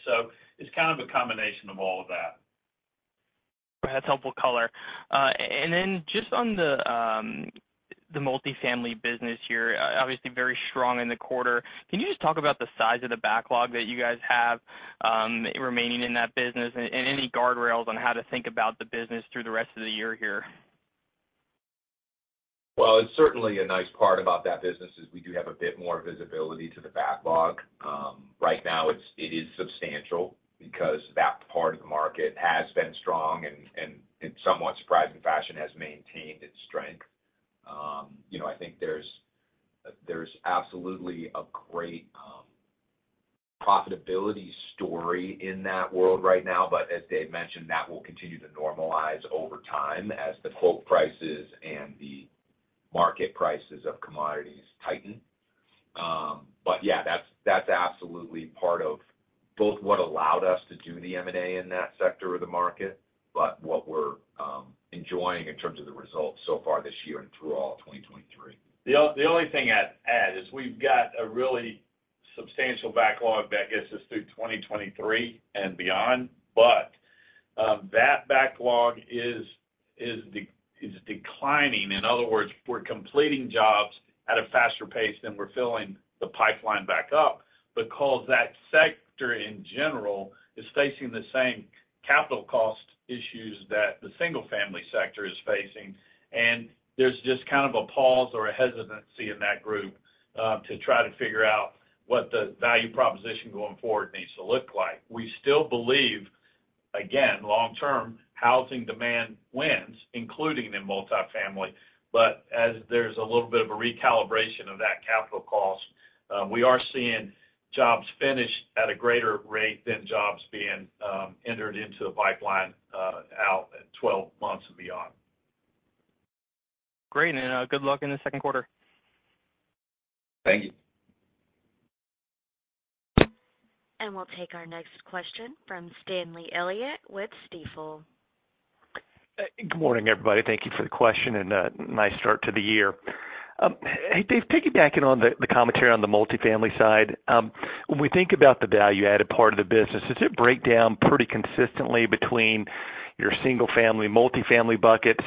It's kind of a combination of all of that. That's helpful color. Then just on the multifamily business here, obviously very strong in the quarter. Can you just talk about the size of the backlog that you guys have remaining in that business and any guardrails on how to think about the business through the rest of the year here? It's certainly a nice part about that business is we do have a bit more visibility to the backlog. Right now it is substantial because that part of the market has been strong and in somewhat surprising fashion, has maintained its strength. you know, I think there's absolutely a great profitability story in that world right now, but as Dave mentioned, that will continue to normalize over time as the quote prices and the market prices of commodities tighten. Yeah, that's absolutely part of both what allowed us to do the M&A in that sector of the market, but what we're enjoying in terms of the results so far this year and through all of 2023. The only thing I'd add is we've got a really substantial backlog that gets us through 2023 and beyond. That backlog is declining. In other words, we're completing jobs at a faster pace than we're filling the pipeline back up because that sector, in general, is facing the same capital cost issues that the single-family sector is facing. There's just kind of a pause or a hesitancy in that group to try to figure out what the value proposition going forward needs to look like. We still believe, again, long term, housing demand wins, including in multifamily. As there's a little bit of a recalibration of that capital cost, we are seeing jobs finish at a greater rate than jobs being entered into the pipeline out at 12 months and beyond. Great. Good luck in the second quarter. Thank you. We'll take our next question from Stanley Elliott with Stifel. Good morning, everybody. Thank you for the question, and nice start to the year. Hey, Dave, piggybacking on the commentary on the multifamily side, when we think about the value-added part of the business, does it break down pretty consistently between your single-family, multifamily buckets?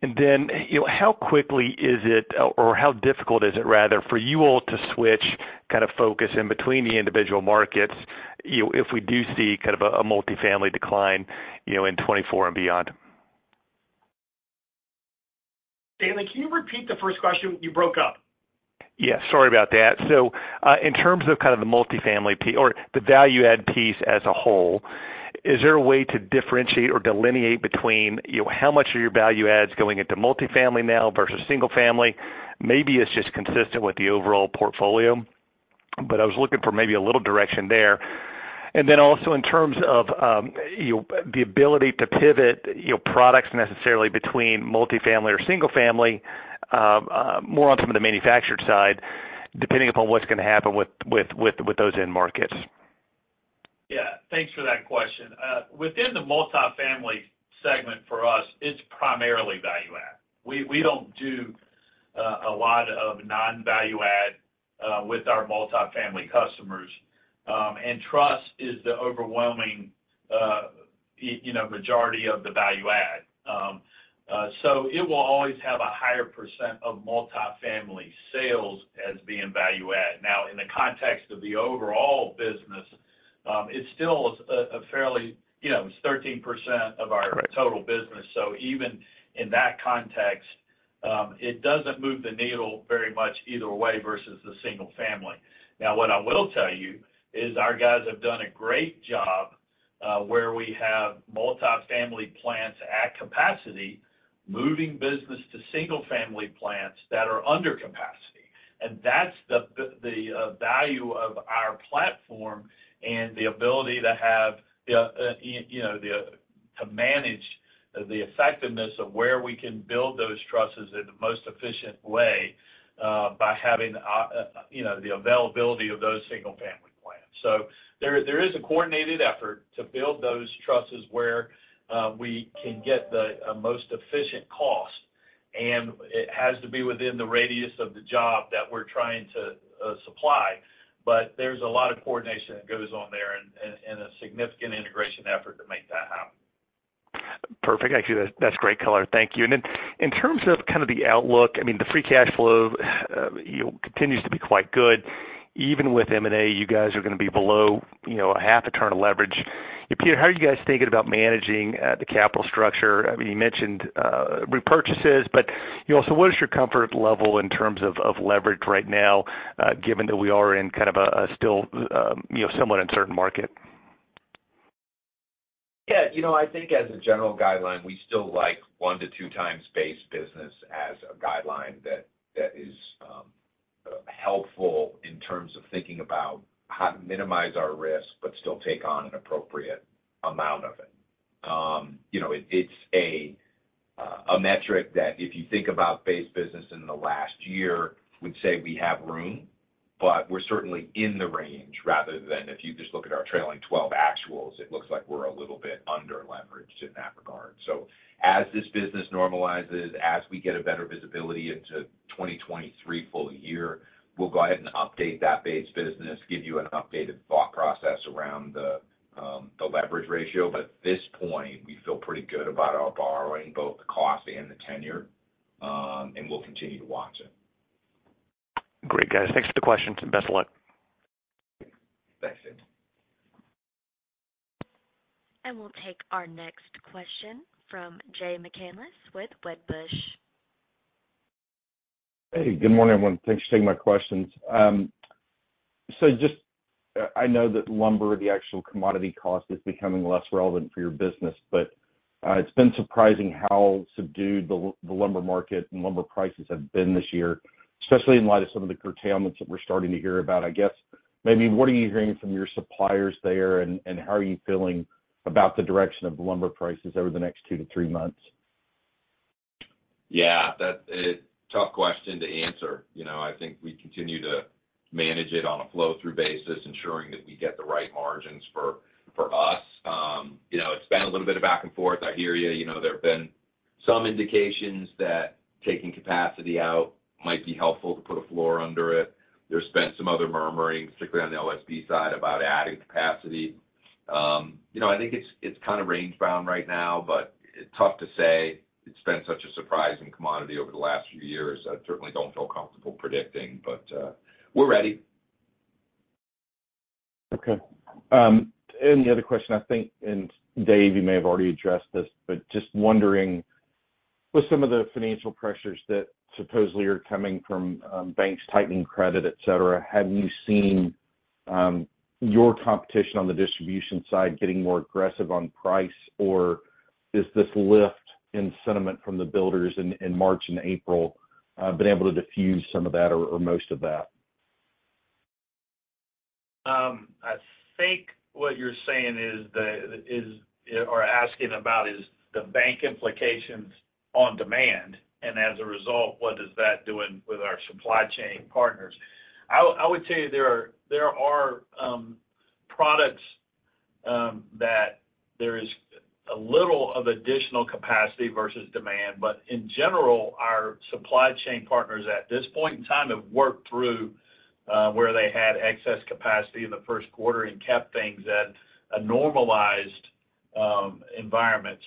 Then, you know, how quickly is it, or how difficult is it rather, for you all to switch kind of focus in between the individual markets, you, if we do see kind of a multifamily decline, you know, in 2024 and beyond? Stanley, can you repeat the first question? You broke up. Yeah, sorry about that. In terms of kind of the multifamily or the value add piece as a whole, is there a way to differentiate or delineate between, you know, how much of your value add is going into multifamily now versus single family? Maybe it's just consistent with the overall portfolio, but I was looking for maybe a little direction there. Also in terms of, you, the ability to pivot, you know, products necessarily between multifamily or single family, more on some of the manufactured side, depending upon what's gonna happen with those end markets. Thanks for that question. Within the multifamily segment for us, it's primarily value add. We don't do a lot of non-value add with our multifamily customers. Trust is the overwhelming, you know, majority of the value add. It will always have a higher percent of multifamily sales as being value add. Now, in the context of the overall business, it's still a fairly, you know, it's 13% of our total business. Even in that context, it doesn't move the needle very much either way versus the single family. Now, what I will tell you is our guys have done a great job, where we have multifamily plants at capacity, moving business to single-family plants that are under capacity. That's the value of our platform and the ability to have, you know, to manage the effectiveness of where we can build those trusses in the most efficient way by having, you know, the availability of those single-family plants. There is a coordinated effort to build those trusses where we can get the most efficient cost, and it has to be within the radius of the job that we're trying to supply. There's a lot of coordination that goes on there and a significant integration effort to make that happen. Perfect. Actually, that's great color. Thank you. In terms of kind of the outlook, I mean, the free cash flow, you know, continues to be quite good. Even with M&A, you guys are gonna be below, you know, a half a turn of leverage. Peter, how are you guys thinking about managing the capital structure? I mean, you mentioned repurchases, you know, what is your comfort level in terms of leverage right now, given that we are in kind of a still, you know, somewhat uncertain market? Yeah, you know, I think as a general guideline, we still like one to 2x base business as a guideline that is helpful in terms of thinking about how to minimize our risk, but still take on an appropriate amount of it. You know, it's a metric that if you think about base business in the last year, we'd say we have room, but we're certainly in the range rather than if you just look at our trailing 12 actuals, it looks like we're a little bit under-leveraged in that regard. As this business normalizes, as we get a better visibility into 2023 full year, we'll go ahead and update that base business, give you an updated thought process around the leverage ratio. At this point, we feel pretty good about our borrowing, both the cost and the tenure, and we'll continue to watch it. Great, guys. Thanks for the questions, and best of luck. Thanks. Thanks. We'll take our next question from Jay McCanless with Wedbush. Hey, good morning, everyone. Thanks for taking my questions. Just, I know that lumber, the actual commodity cost is becoming less relevant for your business, but it's been surprising how subdued the lumber market and lumber prices have been this year, especially in light of some of the curtailments that we're starting to hear about. What are you hearing from your suppliers there, and how are you feeling about the direction of the lumber prices over the next two to three months? Yeah, that's a tough question to answer. You know, I think we continue to manage it on a flow-through basis, ensuring that we get the right margins for us. You know, it's been a little bit of back and forth. I hear you. You know, there have been some indications that taking capacity out might be helpful to put a floor under it. There's been some other murmurings, particularly on the LVL side, about adding capacity. You know, I think it's kind of range-bound right now, but tough to say. It's been such a surprising commodity over the last few years. I certainly don't feel comfortable predicting, but we're ready. Okay. The other question, I think, Dave, you may have already addressed this, just wondering, with some of the financial pressures that supposedly are coming from banks tightening credit, et cetera, have you seen your competition on the distribution side getting more aggressive on price, or has this lift in sentiment from the builders in March and April been able to diffuse some of that or most of that? I think what you're saying is or asking about is the bank implications on demand, as a result, what is that doing with our supply chain partners. I would tell you there are products that there is a little of additional capacity versus demand. In general, our supply chain partners at this point in time have worked through where they had excess capacity in the first quarter and kept things at a normalized environment.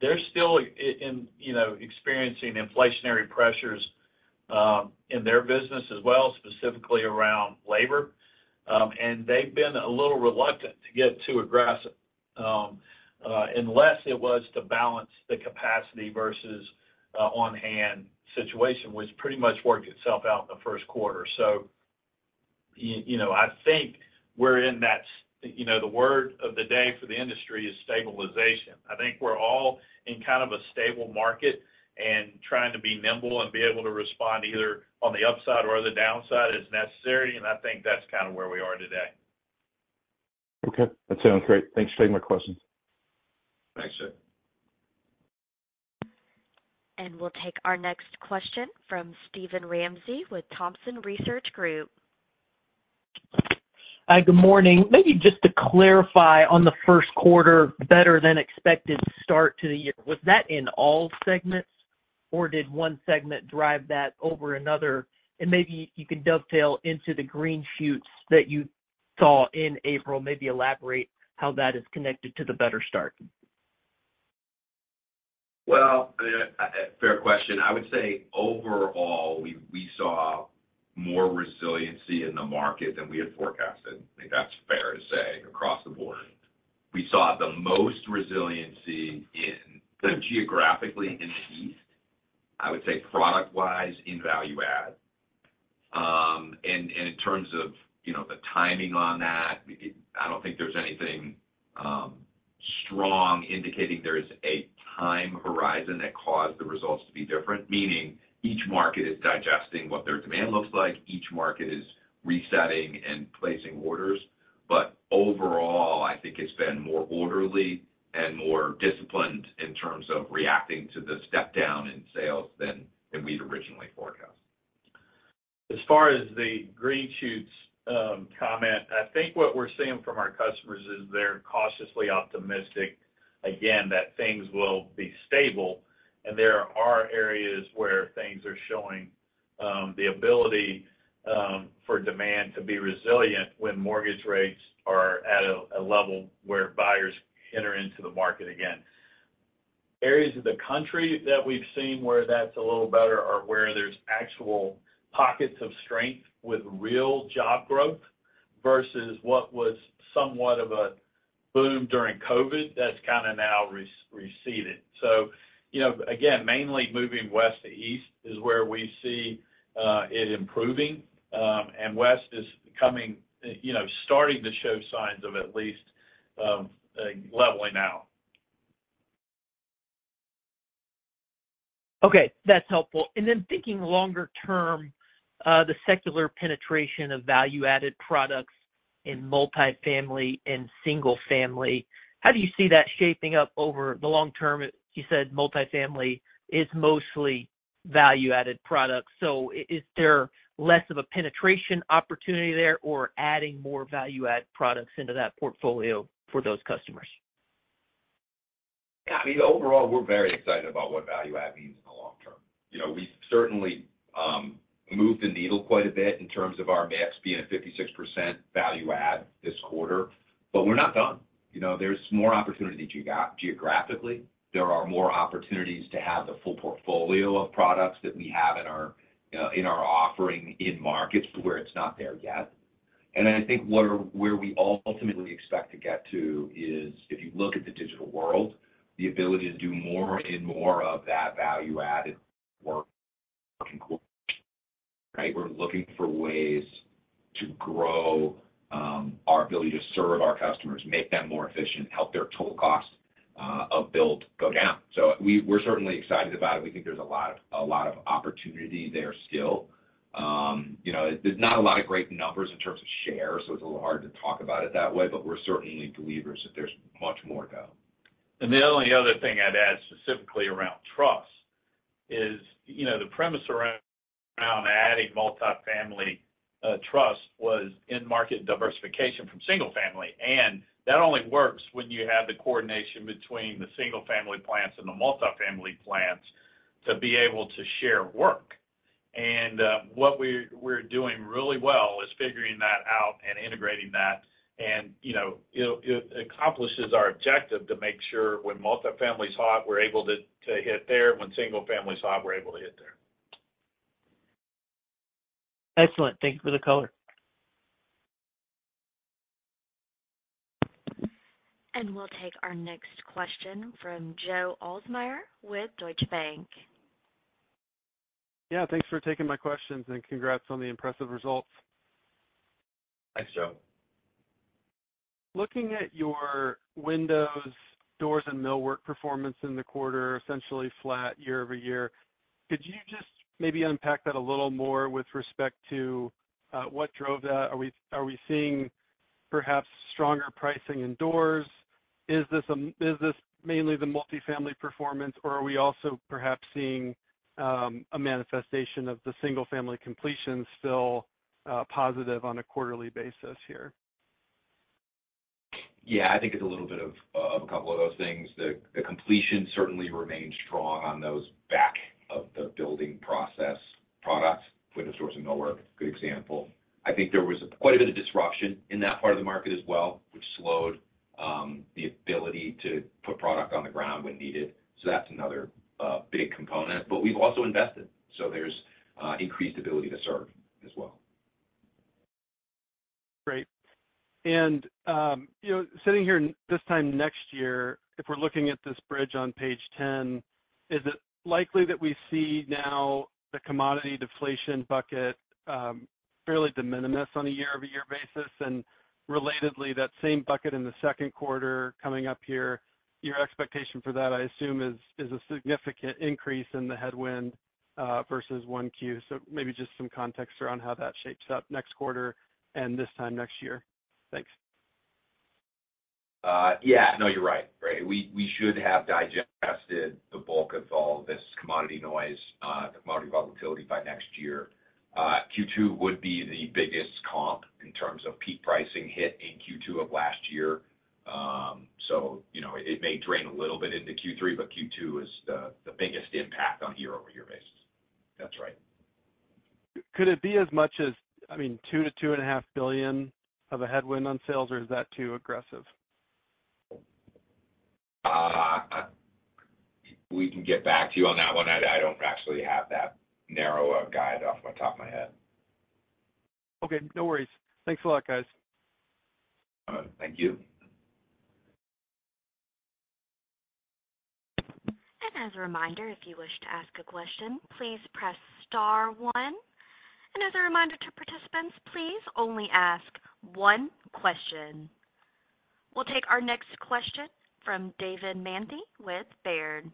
They're still in, you know, experiencing inflationary pressures in their business as well, specifically around labor. They've been a little reluctant to get too aggressive unless it was to balance the capacity versus on-hand situation, which pretty much worked itself out in the first quarter. You know, I think we're in that, you know, the word of the day for the industry is stabilization. I think we're all in kind of a stable market and trying to be nimble and be able to respond either on the upside or the downside as necessary, and I think that's kind of where we are today. Okay. That sounds great. Thanks for taking my questions. Thanks, Jay. We'll take our next question from Steven Ramsey with Thompson Research Group. Hi, good morning. Maybe just to clarify on the first quarter, better than expected start to the year. Was that in all segments or did one segment drive that over another? Maybe you can dovetail into the green shoots that you saw in April, maybe elaborate how that is connected to the better start? Fair question. I would say overall, we saw more resiliency in the market than we had forecasted. I think that's fair to say across the board. We saw the most resiliency geographically in the East, I would say product-wise in value-add. And in terms of, you know, the timing on that, I don't think there's anything strong indicating there is a time horizon that caused the results to be different, meaning each market is digesting what their demand looks like. Each market is resetting and placing orders. Overall, I think it's been more orderly and more disciplined in terms of reacting to the step down in sales than we'd originally forecast. As far as the green shoots, comment, I think what we're seeing from our customers is they're cautiously optimistic, again, that things will be stable. There are areas where things are showing the ability for demand to be resilient when mortgage rates are at a level where buyers enter into the market again. Areas of the country that we've seen where that's a little better are where there's actual pockets of strength with real job growth versus what was somewhat of a boom during COVID that's kinda now receded. You know, again, mainly moving west to east is where we see it improving. West is becoming, you know, starting to show signs of at least leveling out. Okay, that's helpful. Then thinking longer term, the secular penetration of value-added products in multifamily and single family, how do you see that shaping up over the long term? You said multifamily is mostly value-added products. Is there less of a penetration opportunity there or adding more value-added products into that portfolio for those customers? Yeah, I mean, overall, we're very excited about what value add means in the long term. You know, we've certainly, moved the needle quite a bit in terms of our maps being at 56% value add this quarter. We're not done. You know, there's more opportunity geographically. There are more opportunities to have the full portfolio of products that we have in our, in our offering in markets where it's not there yet. I think where we ultimately expect to get to is if you look at the digital world, the ability to do more and more of that value-added work right? We're looking for ways to grow, our ability to serve our customers, make them more efficient, help their total cost, of build go down. We're certainly excited about it. We think there's a lot of opportunity there still. You know, there's not a lot of great numbers in terms of share. It's a little hard to talk about it that way. We're certainly believers that there's much more to go. The only other thing I'd add specifically around truss is, you know, the premise around adding multifamily truss was end market diversification from single family. That only works when you have the coordination between the single family plants and the multifamily plants to be able to share work. What we're doing really well is figuring that out and integrating that. You know, it accomplishes our objective to make sure when multifamily is hot, we're able to hit there. When single family is hot, we're able to hit there. Excellent. Thank you for the color. We'll take our next question from Joe Ahlersmeyer with Deutsche Bank. Yeah, thanks for taking my questions, and congrats on the impressive results. Thanks, Joe. Looking at your windows, doors, and millwork performance in the quarter, essentially flat year-over-year, could you just maybe unpack that a little more with respect to what drove that? Are we seeing perhaps stronger pricing in doors? Is this mainly the multifamily performance, or are we also perhaps seeing, a manifestation of the single-family completion still, positive on a quarterly basis here? Yeah. I think it's a little bit of a couple of those things. The, the completion certainly remained strong on those back of the building process products. Window, doors, and millwork, good example. I think there was quite a bit of disruption in that part of the market as well, which slowed the ability to put product on the ground when needed. That's another big component. We've also invested, so there's increased ability to serve as well. Great. you know, sitting here this time next year, if we're looking at this bridge on page 10, is it likely that we see now the commodity deflation bucket fairly de minimis on a year-over-year basis? Relatedly, that same bucket in the second quarter coming up here, your expectation for that, I assume, is a significant increase in the headwind versus 1Q. Maybe just some context around how that shapes up next quarter and this time next year? Thanks. Yeah, no, you're right. Right. We should have digested the bulk of all this commodity noise, the commodity volatility by next year. Q2 would be the biggest comp in terms of peak pricing hit in Q2 of last year. You know, it may drain a little bit into Q3, but Q2 is the biggest impact on year-over-year basis. That's right. Could it be as much as, I mean, $2 billion-2.5 billion of a headwind on sales, or is that too aggressive? We can get back to you on that one. I don't actually have that narrow a guide off on top of my head. Okay, no worries. Thanks a lot, guys. Thank you. As a reminder, if you wish to ask a question, please press star one. As a reminder to participants, please only ask one question. We'll take our next question from David Manthey with Baird.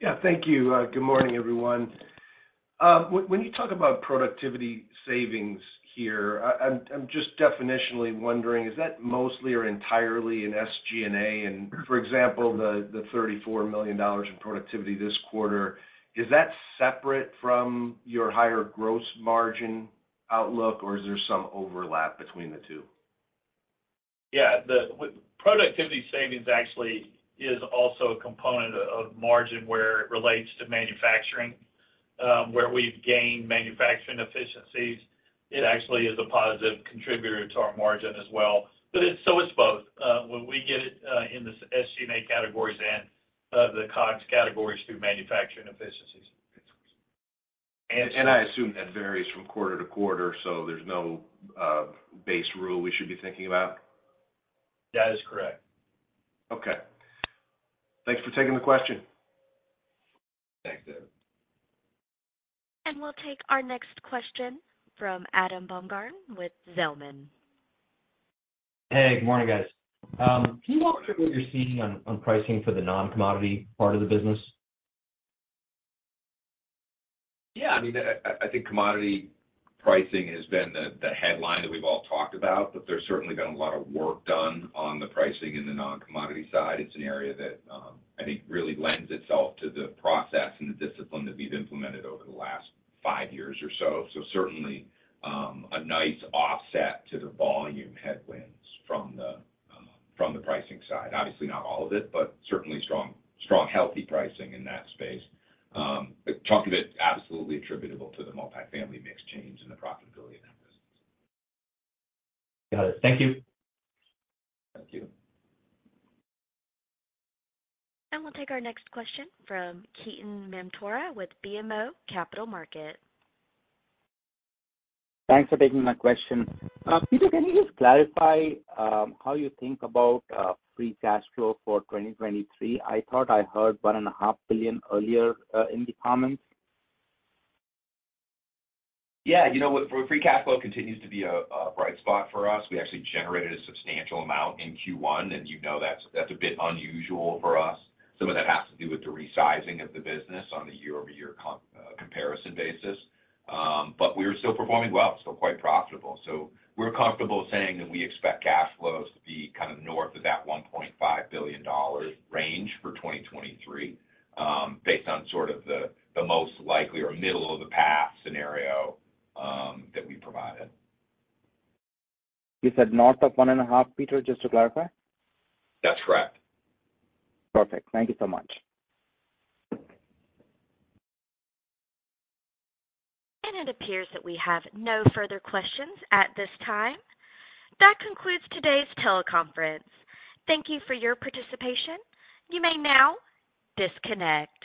Yeah, thank you. Good morning, everyone. When you talk about productivity savings here, I'm just definitionally wondering, is that mostly or entirely in SG&A? For example, the $34 million in productivity this quarter, is that separate from your higher gross margin outlook, or is there some overlap between the two? Yeah. With productivity savings actually is also a component of margin where it relates to manufacturing, where we've gained manufacturing efficiencies. It actually is a positive contributor to our margin as well. It's both when we get it in the SG&A categories and the COGS categories through manufacturing efficiencies. I assume that varies from quarter to quarter, so there's no base rule we should be thinking about. That is correct. Okay. Thanks for taking the question. Thanks, David. We'll take our next question from Adam Baumgarten with Zelman. Hey, good morning, guys. Can you walk through what you're seeing on pricing for the non-commodity part of the business? I mean, I think commodity pricing has been the headline that we've all talked about, there's certainly been a lot of work done on the pricing in the non-commodity side. It's an area that I think really lends itself to the process and the discipline that we've implemented over the last five years or so. Certainly, a nice offset to the volume headwinds from the pricing side. Obviously, not all of it, but certainly strong, healthy pricing in that space. A chunk of it absolutely attributable to the multifamily mix change and the profitability of that business. Got it. Thank you. Thank you. We'll take our next question from Ketan Mamtora with BMO Capital Markets. Thanks for taking my question. Peter, can you just clarify how you think about free cash flow for 2023? I thought I heard $1 and a half billion earlier in the comments? Yeah. You know what? Free cash flow continues to be a bright spot for us. We actually generated a substantial amount in Q1, you know that's a bit unusual for us. Some of that has to do with the resizing of the business on a year-over-year comparison basis. We are still performing well, quite profitable. We're comfortable saying that we expect cash flows to be kind of north of that $1.5 billion range for 2023, based on sort of the most likely or middle of the path scenario that we provided. You said north of one and a half, Peter, just to clarify? That's correct. Perfect. Thank you so much. It appears that we have no further questions at this time. That concludes today's teleconference. Thank you for your participation. You may now disconnect.